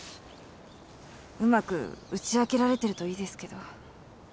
うまく打ち明けられてるといいですけど。